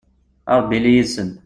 a rebbi ili yid-sen